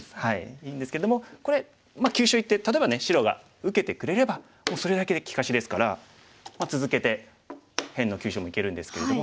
いいんですけれどもこれまあ急所いって例えばね白が受けてくれればもうそれだけで利かしですから続けて辺の急所もいけるんですけれども。